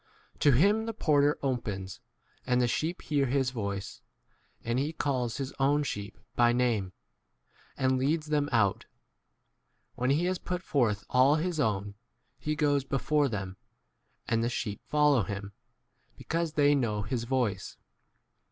To him the porter opens ; and the sheep hear his voice; and he calls his own sheep by name, and leads them 4 out. iWhen he has put forth all his own, he goes before them, and the sheep follow him, because 5 they know his voice.